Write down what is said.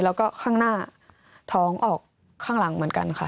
แล้วก็ข้างหน้าท้องออกข้างหลังเหมือนกันค่ะ